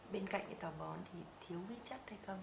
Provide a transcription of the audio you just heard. bên cạnh cái tàu bón thì thiếu vị chất hay không